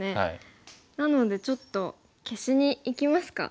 なのでちょっと消しにいきますか。